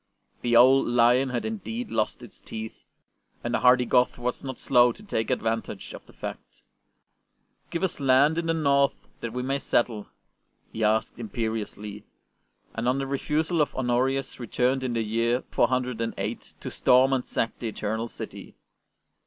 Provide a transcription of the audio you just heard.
The old lion had indeed lost its teeth, and the hardy Goth was not slow to take advantage of the fact. " Give us land in the North that we may settle," he asked imperiously, and on the refusal of Honorius returned in the year 408 to storm and sack the Eternal City.